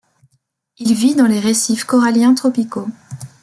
Il vit dans les récifs coralliens tropicaux.